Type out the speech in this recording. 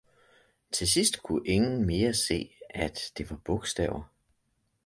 til sidst kunne ingen mere se, at det var bogstaver.